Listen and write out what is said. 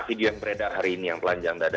video yang beredar hari ini yang telanjang dada